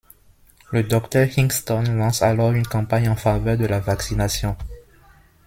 Le docteur Hingston lance alors une campagne en faveur de la vaccination.